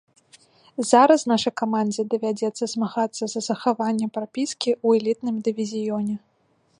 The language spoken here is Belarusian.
Зараз нашай камандзе давядзецца змагацца за захаванне прапіскі ў элітным дывізіёне.